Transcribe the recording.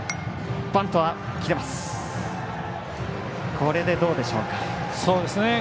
これでどうでしょうか。